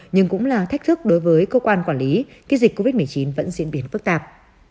nhưng cũng là thách thức đối với cơ quan quản lý khi dịch covid một mươi chín vẫn diễn biến phức tạp